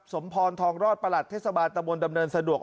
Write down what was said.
สมพรทองรอดประหลัดเทศบาลตะบนดำเนินสะดวก